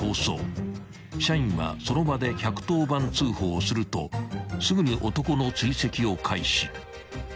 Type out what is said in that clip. ［社員はその場で１１０番通報をするとすぐに男の追跡を開始］